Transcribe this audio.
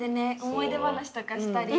思い出話とかしたり。